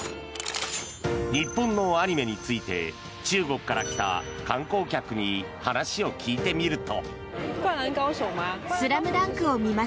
日本のアニメについて中国から来た観光客に話を聞いてみると。